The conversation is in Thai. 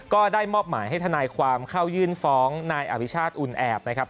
ก็ได้มอบหมายให้ทนายความเข้ายื่นฟ้องนายอภิชาติอุ่นแอบนะครับ